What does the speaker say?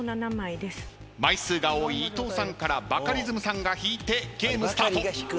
枚数が多い伊藤さんからバカリズムさんが引いてゲームスタート。